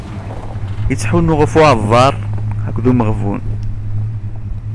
Ittḥunnu ɣef uεḍar akked umeɣbun.